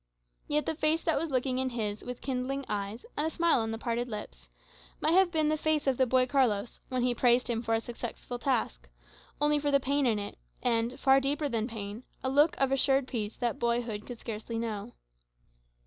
Yet the face that was looking in his, with kindling eyes, and a smile on the parted lips, might have been the face of the boy Carlos, when he praised him for a successful task, only for the pain in it, and, far deeper than pain, a look of assured peace that boyhood could scarcely know.